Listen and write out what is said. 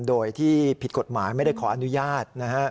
โดยที่ผิดกฎหมายไม่ได้ขออนุญาตนะฮะ